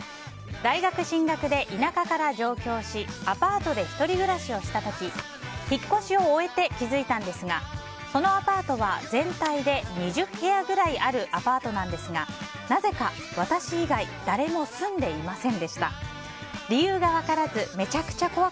大学進学で田舎から上京しアパートで１人暮らしをした時引っ越しを終えて気づいたんですがそのアパートは全体で２０部屋くらいあるアパートなんですがおわんわーん